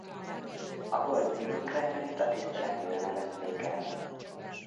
A Hold Zeeman-kráterét a tiszteletére nevezték el.